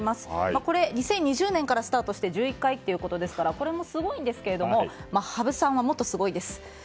これ２０２０年からスタートして１１回ですからこれもすごいんですけども羽生さんはもっとすごいんです。